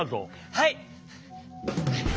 はい！